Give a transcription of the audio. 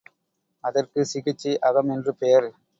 அதற்கு சிகிச்சை அகம் என்று பெயர்.